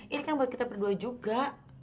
ini kan buat kita berdua juga